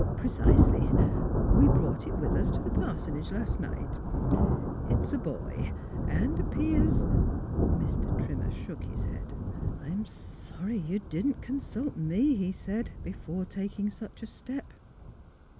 "" Precisely. We brought it with us to the par sonage last night. It is a boy, and appears " Mr. Trimmer shook his head. "I'm sorry you didn't consult me," he said, *^ before taking such a step."